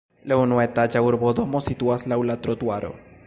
La unuetaĝa urbodomo situas laŭ la trotuaro.